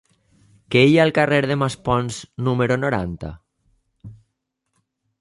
Què hi ha al carrer de Maspons número noranta?